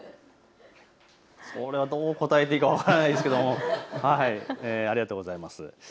これはどう答えていいか分からないですけどありがとうございます。